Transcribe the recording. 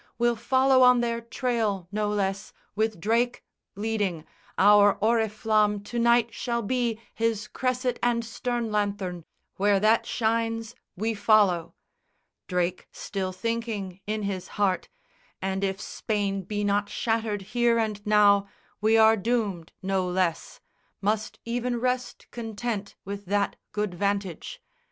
We'll follow on their trail no less, with Drake Leading. Our oriflamme to night shall be His cresset and stern lanthorn. Where that shines We follow." Drake, still thinking in his heart, "And if Spain be not shattered here and now We are doomed no less," must even rest content With that good vantage.